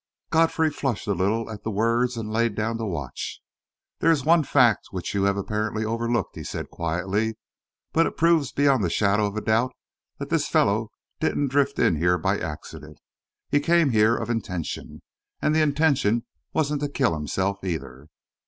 Godfrey flushed a little at the words and laid down the watch. "There is one fact which you have apparently overlooked," he said quietly, "but it proves beyond the shadow of a doubt that this fellow didn't drift in here by accident. He came here of intention, and the intention wasn't to kill himself, either."